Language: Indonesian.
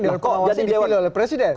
dewan pengawasnya dipilih oleh presiden